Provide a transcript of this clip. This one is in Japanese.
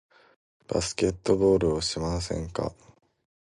バスケットボールしませんか？